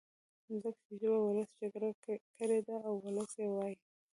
ځکه چي ژبه ولس جوړه کړې ده او ولس يې وايي.